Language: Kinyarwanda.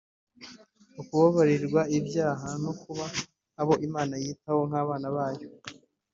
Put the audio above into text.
ukubabarirwa ibyaha no kuba abo Imana yitaho nk'abana bayo.